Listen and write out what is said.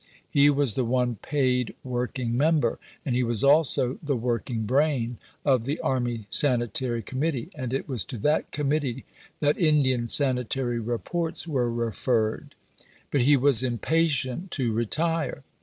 He was the one paid working member, and he was also the working brain, of the Army Sanitary Committee, and it was to that Committee that Indian sanitary reports were referred. But he was impatient to retire.